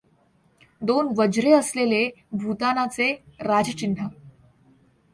दोन वज्रे असलेले भूतानाचे राजचिन्ह